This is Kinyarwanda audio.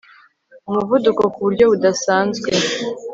umuvuduko ku buryo budasanzwe